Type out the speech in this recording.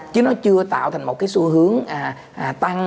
chứ nó chưa tạo thành một cái xu hướng tăng